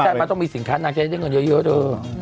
ใช่มันต้องมีสินค้านางจะได้เงินเยอะเธอ